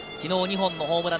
昨日２本のホームラン。